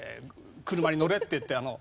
「車に乗れ」って言ってあの。